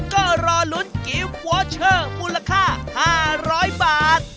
ก็รอลุ้นกิฟต์วอเชอร์มูลค่า๕๐๐บาท